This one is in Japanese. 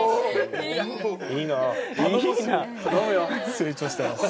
成長してます。